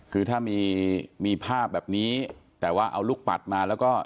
คือถ้ามีมีภาพแบบนี้แต่ว่าเอาลูกปัดมาแล้วก็